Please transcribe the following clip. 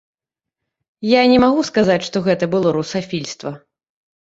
Я не магу сказаць, што гэта было русафільства.